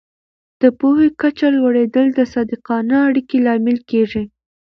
د پوهې کچه لوړېدل د صادقانه اړیکو لامل کېږي.